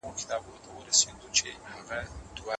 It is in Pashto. عدالت باید ژر او پر وخت وي.